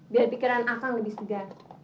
biar pikiran akang lebih segar